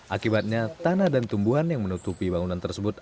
akibatnya tanah dan tumbuhan yang menutupi bangunan tersebut